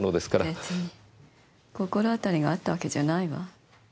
別に心当たりがあったわけじゃないわ。